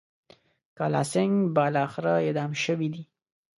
کالاسینګهـ بالاخره اعدام شوی دی.